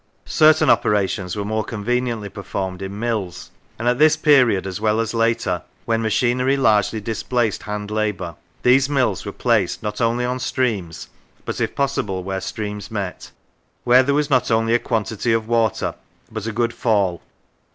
Certain operations were more conveniently performed in mills, and at this period, as well as later, when machinery largely dis placed hand labour, these mills were placed, not only on streams, but, if possible, where streams met; where there was not only a quantity of water, but a good fall.